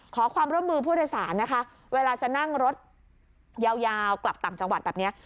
ขอความร่วมมือผู้โดยสารนะคะเวลาจะนั่งรถยาวกลับต่างจังหวัดแบบนี้